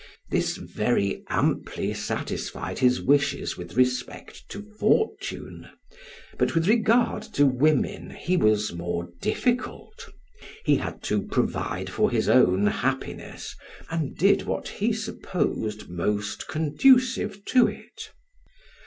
This very amply satisfied his wishes with respect to fortune, but with regard to women he was more difficult; he had to provide for his own happiness, and did what he supposed most conducive to it.